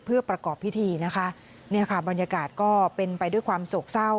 เพื่อประกอบพิธีบรรยากาศก็เป็นไปด้วยความโศกเศร้า